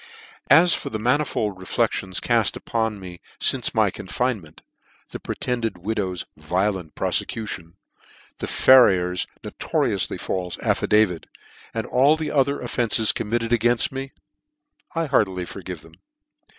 As for the manifold reflecTions cad upon me lince my confinement , the pretended widow's violent profecution 5 the Farrier's notorioufly falfe affidavit, and all other offences committed againft me, I heartily forgive them.